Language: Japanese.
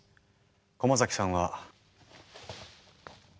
駒崎さんは。